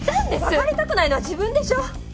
別れたくないのは自分でしょ？